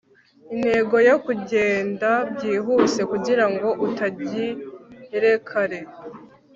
intego yo kugenda byihuse kugirango utangire kare